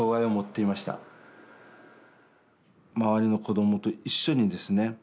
周りの子供と一緒にですね